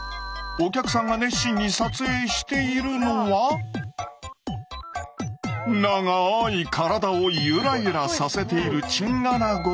お客さんが熱心に撮影しているのは長い体をゆらゆらさせているチンアナゴ。